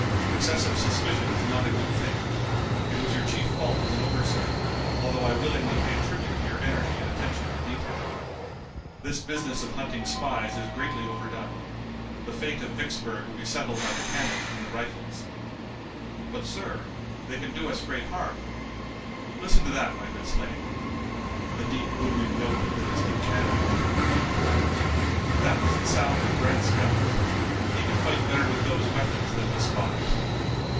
Excessive suspicion is not a good thing. It was your chief fault as an overseer, although I willingly pay tribute to your energy and attention to detail. This business of hunting spies is greatly overdone. The fate of Vicksburg will be settled by the cannon and the rifles." "But, sir, they can do us great harm." "Listen to that, my good Slade." The deep booming note of the distant cannon entered the cave. "That is the sound of Grant's guns. He can fight better with those weapons than with spies."